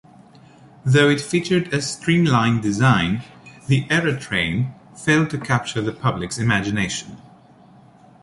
Though it featured a streamlined design, the "Aerotrain" failed to capture the public's imagination.